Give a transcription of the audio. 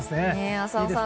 浅尾さん